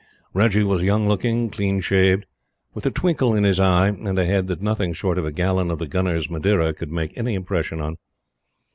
Reggie was young looking, clean shaved, with a twinkle in his eye, and a head that nothing short of a gallon of the Gunners' Madeira could make any impression on.